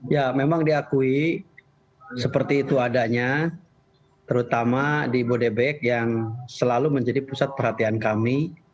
ya memang diakui seperti itu adanya terutama di bodebek yang selalu menjadi pusat perhatian kami